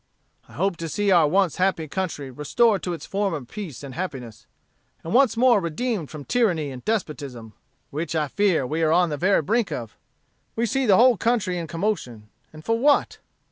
"I hope to see our once happy country restored to its former peace and happiness, and once more redeemed from tyranny and despotism, which, I fear, we are on the very brink of. We see the whole country in commotion: and for what?